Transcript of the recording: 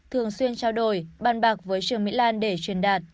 thường xuyên trao đổi bàn bạc với trương mỹ lan để truyền đạt